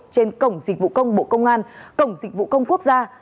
trên cổng dịch vụ công bộ công an cổng dịch vụ công quốc gia